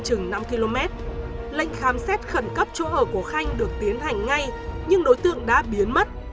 chừng năm km lệnh khám xét khẩn cấp chỗ ở của khanh được tiến hành ngay nhưng đối tượng đã biến mất